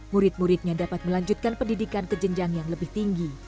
murid muridnya dapat melanjutkan pendidikan ke jenjang yang lebih tinggi